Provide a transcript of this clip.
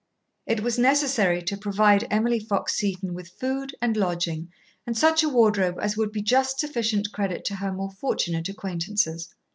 It was necessary to provide Emily Fox Seton with food and lodging and such a wardrobe as would be just sufficient credit to her more fortunate acquaintances.